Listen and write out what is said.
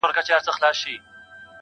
که قتل غواړي، نه یې غواړمه په مخه یې ښه~